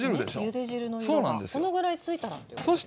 ゆで汁の色がこのぐらいついたらっていうことですか。